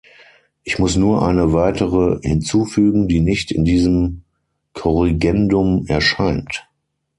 Ich muss nur eine weitere hinzufügen, die nicht in diesem Korrigendum erscheint.